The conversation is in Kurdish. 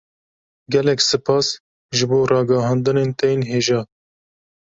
Gelek spas ji bo ragihandinên te yên hêja